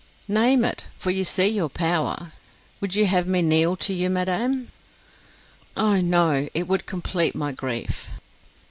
"Name it; for you see your power. Would you have me kneel to you, madam?" "Oh, no; it would complete my grief."